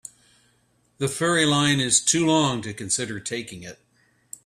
The ferry line is too long to consider taking it.